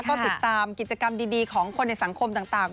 ก็ติดตามกิจกรรมดีของคนในสังคมต่าง